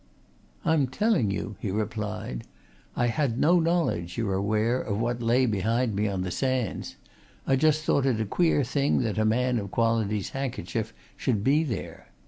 "I'm telling you," he replied. "I had no knowledge, you're aware, of what lay behind me on the sands: I just thought it a queer thing that a man of quality's handkerchief should be there.